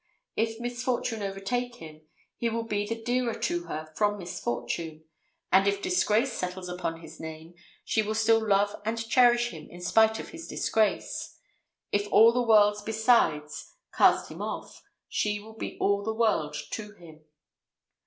If misfortune overtake him, he will be the dearer to her from misfortune; and if disgrace settles upon his name, she will still love and cherish him in spite of his disgrace. If all the world besides cast him off, she will be all the world to him.